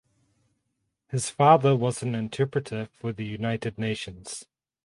His father was an interpreter for the United Nations.